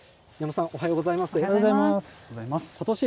矢野さん、おはようございます。